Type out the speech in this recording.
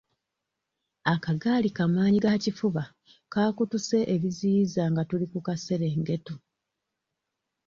Akagaali ka maanyigakifuba kaakutuse ebiziyiza nga tuli ku kaserengeto.